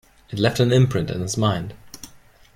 It left an imprint in his mind.